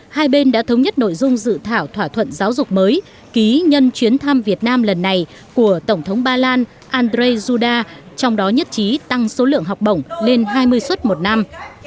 hai bên đã thống nhất nội dung dự thảo thỏa thuận giáo dục mới ký nhân chuyến thăm việt nam lần này của tổng thống ba lan andrei juda trong đó nhất trí tăng số lượng học bổng lên hai mươi suất một năm